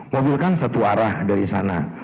mobil kan satu arah dari sana